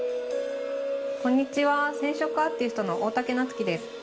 こんにちは染色アーティストの大竹夏紀です。